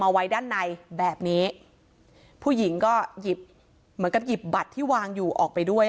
ไว้ด้านในแบบนี้ผู้หญิงก็หยิบเหมือนกับหยิบบัตรที่วางอยู่ออกไปด้วย